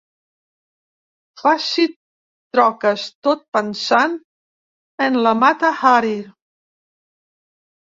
Faci troques tot pensant en la Mata-Hari.